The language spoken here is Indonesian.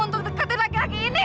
untuk dekati laki laki ini